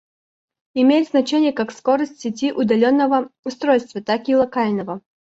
Имеет значение как скорость сети удаленного устройства, так и локального